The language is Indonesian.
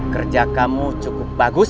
kerja kamu cukup bagus